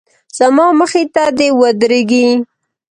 زما مخې ته دې ودرېږي.